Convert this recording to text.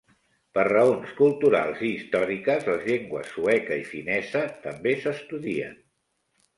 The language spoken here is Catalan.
Per raons culturals i històriques, les llengües sueca i finesa també s'estudien.